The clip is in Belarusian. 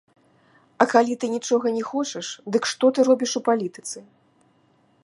А калі ты нічога не хочаш, дык што ты робіш у палітыцы?